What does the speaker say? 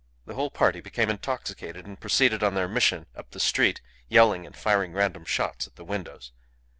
The whole party became intoxicated, and proceeded on their mission up the street yelling and firing random shots at the windows.